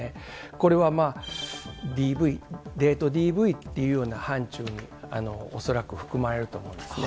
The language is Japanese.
これは、ＤＶ、デートＤＶというような範ちゅうに、恐らく含まれると思うんですね。